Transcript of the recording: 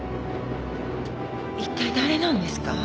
一体誰なんですか？